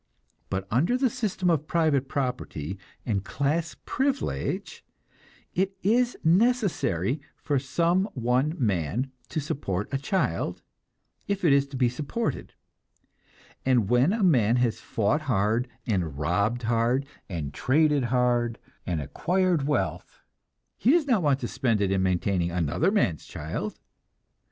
But under the system of private property and class privilege, it is necessary for some one man to support a child, if it is to be supported; and when a man has fought hard, and robbed hard, and traded hard, and acquired wealth, he does not want to spend it in maintaining another man's child.